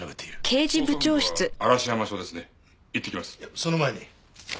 その前に。